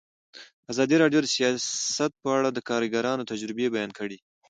ازادي راډیو د سیاست په اړه د کارګرانو تجربې بیان کړي.